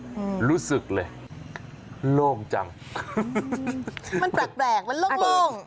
อืมรู้สึกเลยโล่งจังใช่มันแปลกแปลกมันโล่งโล่ง